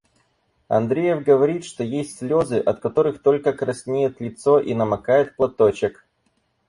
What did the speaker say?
Андреев говорит, что есть слёзы, от которых только «краснеет лицо и намокает платочек».